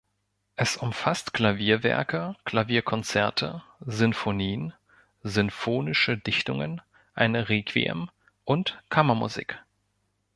Es umfasst Klavierwerke, Klavierkonzerte, Sinfonien, sinfonische Dichtungen, ein Requiem und Kammermusik.